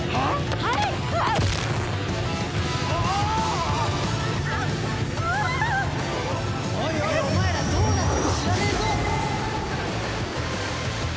おいおいお前らどうなっても知らねえぞ！